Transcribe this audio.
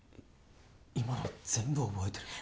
今の全部覚えてるの？